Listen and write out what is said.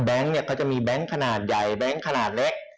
แบงค์นี้เขามีแบงค์ขนาดใหญ่แบงค์ขนาดเล็ก